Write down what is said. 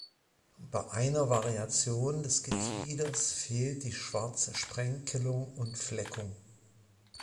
Bei einer Variation des Gefieders fehlt die schwarze Sprenkelung und Fleckung.